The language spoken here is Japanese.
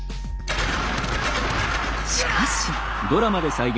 しかし。